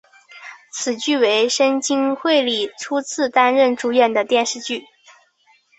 此剧为深津绘里初次担任主演的电视剧。